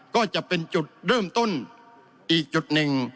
ก็จะเป็นจุดเริ่มต้นอีกจุดหนึ่ง